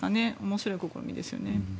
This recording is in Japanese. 面白い試みですよね。